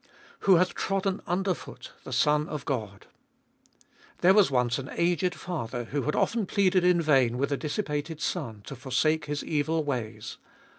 Who hath trodden under foot the Son of God ! There was once an aged father, who had often pleaded in vain with a dissi pated son to forsake his evil ways.